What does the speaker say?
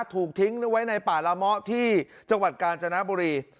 ถูกทิ้งไว้ในป่าละเมาะที่จังหวัดกาญจนบุรี